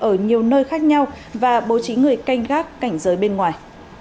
ở nhiều nơi khác nhau và bố trí người canh gác cảnh giới bên ngoài